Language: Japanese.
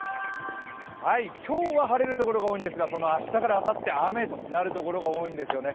今日は晴れるところが多いんですが、その明日からあさって雨となるところが多いんですよね。